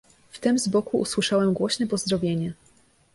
"Wtem z boku usłyszałem głośne pozdrowienie."